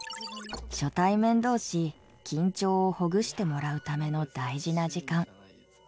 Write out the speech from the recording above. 初対面同士緊張をほぐしてもらうための大事な時間。